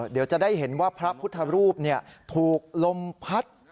เดี๋ยวจะได้เห็นว่าพระพุทธรูปถูกลมพัด